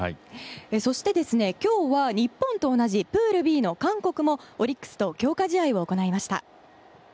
そして、今日は日本と同じプールＢの韓国もオリックスと強化試合を行いました。